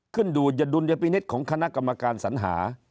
ขึ้นดูดุลยพินิษฐ์ของคณะกรรมการสัญหา